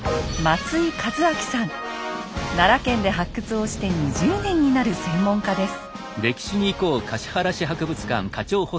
奈良県で発掘をして２０年になる専門家です。